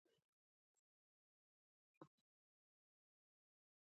بادرنګ د غذایي فایبر سرچینه ده.